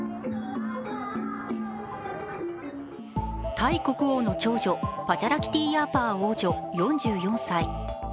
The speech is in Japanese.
タイ国王の長女、パチャラキティヤーパー王女４４歳。